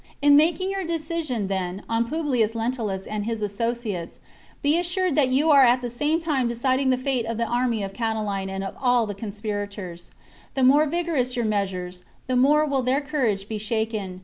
In making your decision, then, on Publius Lentulus and his asso ciates, be assured that you are at the same time deciding the fate of the army of Catiline and of all the conspirators. The more vigorous your measures, the more will their courage be shaken.